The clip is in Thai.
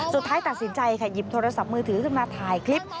สุดท้ายตัดสินใจค่ะหยิบโทรศัพท์มือถือขึ้นมาถ่ายคลิป